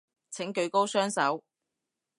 請舉高雙手